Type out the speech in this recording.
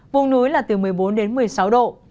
vùng núi là từ một mươi bốn đến một mươi sáu độ